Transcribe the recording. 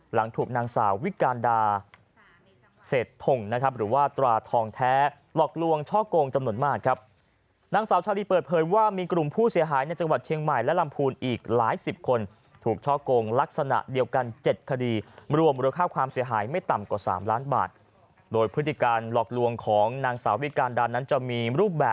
หลังถูกนางสาววิการดาเศษทงนะครับหรือว่าตราทองแท้หลอกลวงช่อกงจำนวนมากครับนางสาวชาลีเปิดเผยว่ามีกลุ่มผู้เสียหายในจังหวัดเชียงใหม่และลำพูนอีกหลายสิบคนถูกช่อกงลักษณะเดียวกัน๗คดีรวมมูลค่าความเสียหายไม่ต่ำกว่า๓ล้านบาทโดยพฤติการหลอกลวงของนางสาววิการดานั้นจะมีรูปแบบ